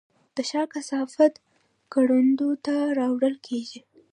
د ښار کثافات کروندو ته راوړل کیږي؟